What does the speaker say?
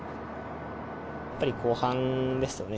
やっぱり後半ですよね